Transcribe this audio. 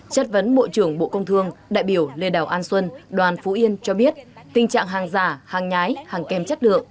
chất vấn bộ trưởng bộ công thương đại biểu lê đào an xuân đoàn phú yên cho biết tình trạng hàng giả hàng nhái hàng kèm chất lượng